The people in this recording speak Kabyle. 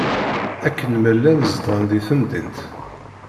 Akken ma llan zedɣen di temdint.